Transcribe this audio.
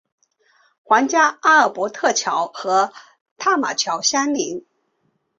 皇家阿尔伯特桥和塔马桥相邻。